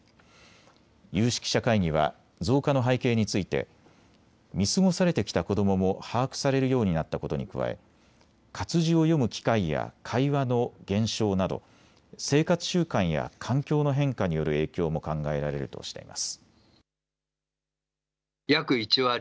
有識者会議は増加の背景について見過ごされてきた子どもも把握されるようになったことに加え活字を読む機会や会話の減少など生活習慣や環境の変化による影響も考えられるとしています。